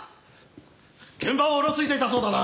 現場をうろついていたそうだな？